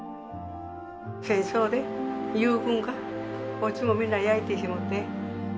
戦争で友軍がお家もみんな焼いてしもうて。